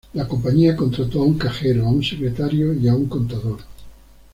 La compañía contrató a un Cajero, a un Secretario y a un Contador.